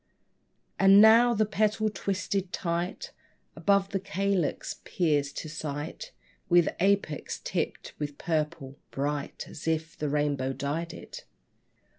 And now the petal, twisted tight, Above the calyx peers to sight With apex tipped with purple, bright As if the rainbow dyed it.